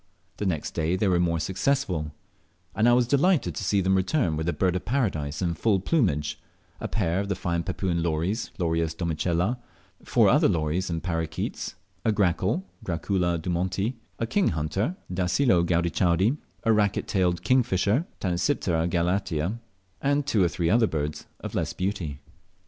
The next day they were more successful, and I was delighted to see them return with a Bird of Paradise in full plumage, a pair of the fine Papuan lories (Lorius domicella), four other lories and parroquets, a grackle (Gracula dumonti), a king hunter (Dacelo gaudichaudi), a racquet tailed kingfisher (Tanysiptera galatea), and two or three other birds of less beauty.